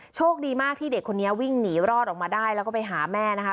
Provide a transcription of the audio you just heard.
โชคดีมากที่เด็กคนนี้วิ่งหนีรอดออกมาได้แล้วก็ไปหาแม่นะคะ